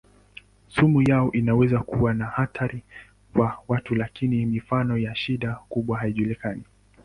Sumu yao inaweza kuwa na hatari kwa watu lakini mifano ya shida kubwa haijulikani.